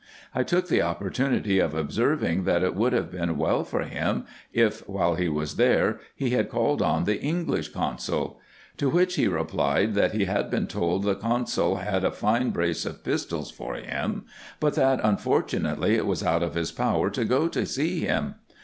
I took the oppor tunity of observing, that it would have been well for him, if, while he was there, he had called on the English consul. To which he replied, that he had been told the consul had a fine brace of pistols for him ; but that unfortunately it was out of his power to go to see him.